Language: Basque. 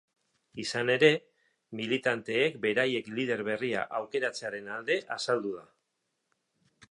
Izan ere, militanteek beraiek lider berria aukeratzearen alde azaldu da.